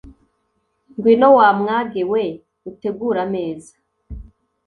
ngwino, wa mwage we, utegure ameza